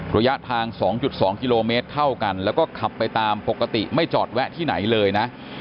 ระยะทาง๒๒กิโลเมตรเท่ากันแล้วก็ขับไปตามปกติไม่จอดแวะที่ไหนเลยนะ